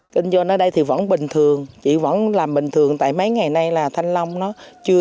kinh doanh ở đây thì vẫn bình thường chị vẫn làm bình thường tại mấy ngày nay là thanh long nó chưa